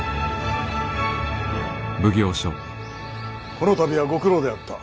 この度はご苦労であった。